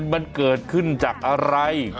มันเกิดขึ้นจากอะไร